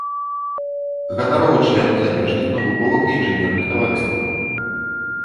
Ганаровы член замежных навуковых і інжынерных таварыстваў.